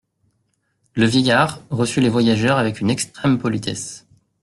Le vieillard reçut les voyageurs avec une extrême politesse.